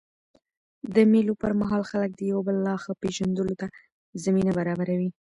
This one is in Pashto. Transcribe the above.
د مېلو پر مهال خلک د یو بل لا ښه پېژندلو ته زمینه برابروي.